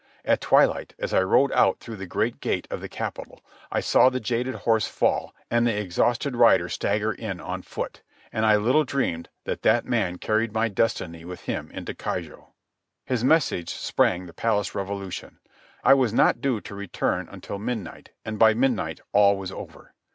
At twilight, as I rode out through the great gate of the capital, I saw the jaded horse fall and the exhausted rider stagger in on foot; and I little dreamed that that man carried my destiny with him into Keijo. His message sprang the palace revolution. I was not due to return until midnight, and by midnight all was over.